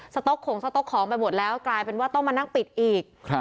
ต๊อกของสต๊กของไปหมดแล้วกลายเป็นว่าต้องมานั่งปิดอีก